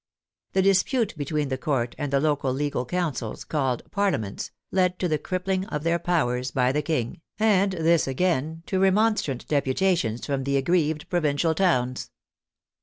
The dispute between the Court and the local legal Councils, called Parlia ments/' led to the crippling of their powers by the King, and this again, to remonstrant deputations from the ag grieved provincial towns.